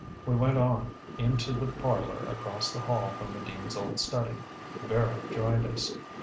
We went on in to the parlor across the hall from the dean's old study. Vera joined us.